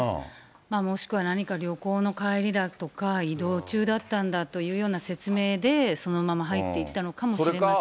もしくは何か旅行の帰りだとか、移動中だったんだというような説明で、そのまま入っていったのかもしれません。